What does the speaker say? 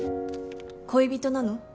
恋人なの？